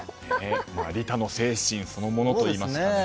利他の精神そのものといいますかね。